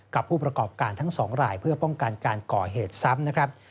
ผู้ประกอบการทั้งสองรายเพื่อป้องกันการก่อเหตุซ้ำนะครับ